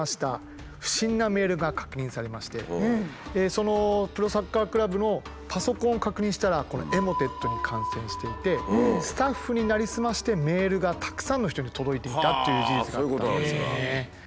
そのプロサッカークラブのパソコンを確認したらこのエモテットに感染していてスタッフになりすましてメールがたくさんの人に届いていたっていう事実があったんですよね。